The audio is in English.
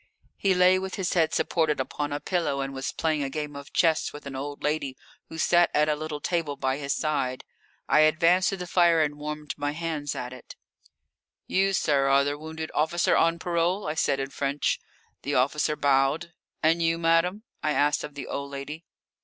He lay with his head supported upon a pillow, and was playing a game of chess with an old lady who sat at a little table by his side. I advanced to the fire and warmed my hands at it. "You, sir, are the wounded officer on parole?" I said in French. The officer bowed. "And you, madame?" I asked of the old lady.